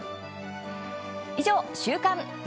以上、週刊。